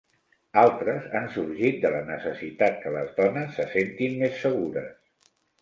Altres han sorgit de la necessitat que les dones se sentin més segures.